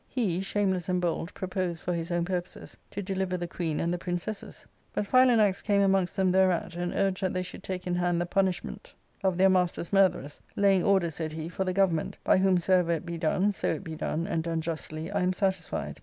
He, shameless and bold, proposed, for hi^ own purposes, to deliver the queen and the princesses. But Philanax came amongst them thereat, and urged that they should take in hand the punishment of their master's ARCADIA. ^Book IV. 445 murtherers, "laying order, said he, "for the government ; by whomsoever it be done, so it be done, and done justly, I am satisfied.